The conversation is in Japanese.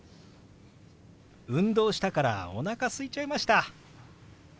運動したからおなかすいちゃいました。